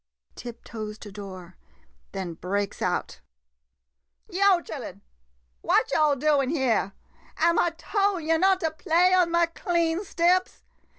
[Tiptoes to door, then breaks out.] Yo' chillen — what yo' doin' dere? Am' I tol' yo' not to play on ma clean steps?